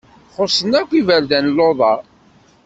Xuṣṣen akk iberdan luḍa.